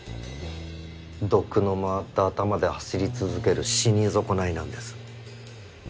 毒の回った頭で走り続ける死に損ないなんです。